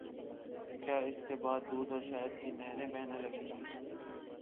کیا اس کے بعد دودھ اور شہد کی نہریں بہنے لگیں گی؟